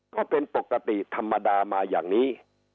ก็เป็นปกติธรรมดามาอย่างนี้